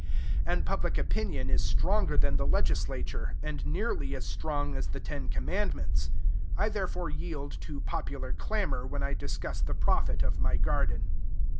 And public opinion is stronger than the legislature, and nearly as strong as the ten commandments: I therefore yield to popular clamor when I discuss the profit of my garden.